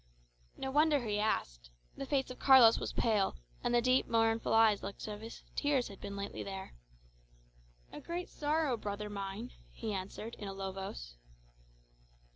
No wonder he asked. The face of Carlos was pale; and the deep mournful eyes looked as if tears had been lately there. "A great sorrow, brother mine," he answered in a low voice.